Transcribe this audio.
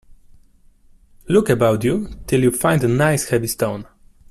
Look about you till you find a nice, heavy stone.